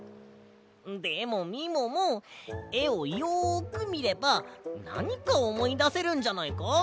でもみももえをよくみればなにかおもいだせるんじゃないか？